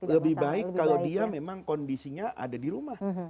lebih baik kalau dia memang kondisinya ada di rumah